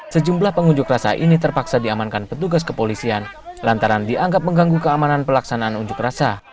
sejumlah pengunjuk rasa ini terpaksa diamankan petugas kepolisian lantaran dianggap mengganggu keamanan pelaksanaan unjuk rasa